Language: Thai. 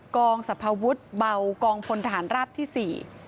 กองสรรพวุฒิเบากองพลทหารราบที่๔